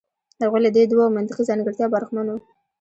هغوی له دې دوو منطقي ځانګړتیاوو برخمن وو.